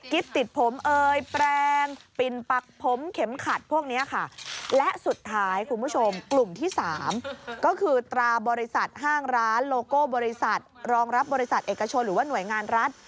ติดผมเอ่ยแปลงปิ่นปักผมเข็มขัดพวกนี้ค่ะและสุดท้ายคุณผู้ชมกลุ่มที่๓ก็คือตราบริษัทห้างร้านโลโก้บริษัทรองรับบริษัทเอกชนหรือว่าหน่วยงานรัฐ